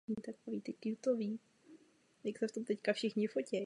Po uzavření Mnichovské dohody se přestěhoval i s rodinou do Prahy.